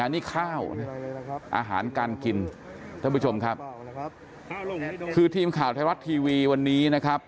นี่ข้าวอาหารการกินท่านผู้ชมครับคือทีมข่าวไทยรัฐทีวีวันนี้นะครับ